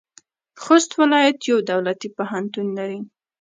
خوست ولایت یو دولتي پوهنتون لري.